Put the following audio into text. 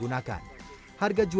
ketika kambing terbentuk